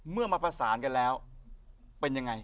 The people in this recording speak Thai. เมื่อมาประสานกันแล้วเป็นยังไง